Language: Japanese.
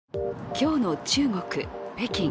今日の中国・北京。